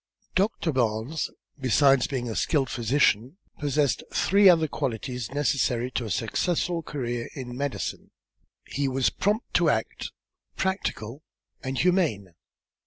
Doctor Barnes, besides being a skilled physician, possessed three other qualities necessary to a successful career in medicine he was prompt to act, practical and humane.